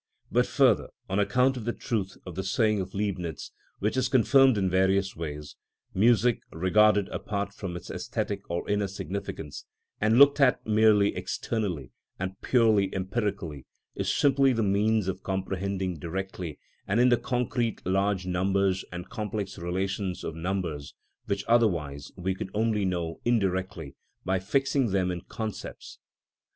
But further, on account of the truth of the saying of Leibnitz, which is confirmed in various ways, music, regarded apart from its æsthetic or inner significance, and looked at merely externally and purely empirically, is simply the means of comprehending directly and in the concrete large numbers and complex relations of numbers, which otherwise we could only know indirectly by fixing them in concepts.